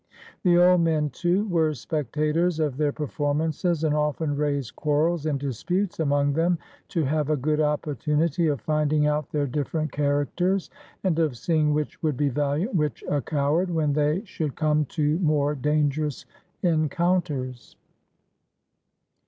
The old men, too, were spectators of their performances, and often raised quarrels and disputes among them, to have a good opportunity of finding out their different char acters, and of seeing which would be valiant, which a coward, when they should come to more dangerous encounters.